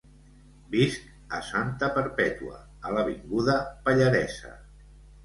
Visc a Santa Perpètua, a l'avinguda Pallaresa.